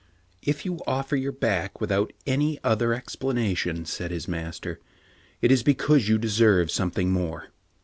" If you offer your back without any other ex planation, said his master, "it is because you de serve something more.